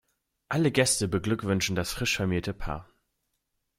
Alle Gäste beglückwünschen das frisch vermählte Paar.